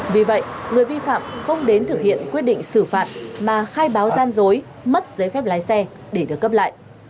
vì vậy người vi phạm không đến thực hiện quyết định xử phạt mà khai báo gian dối mất giấy phép lái xe để được cấp lại